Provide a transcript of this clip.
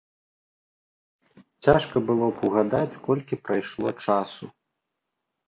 Цяжка было б угадаць, колькі прайшло часу.